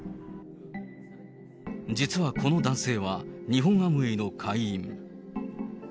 実はこの男性は、日本アムウェイの会員。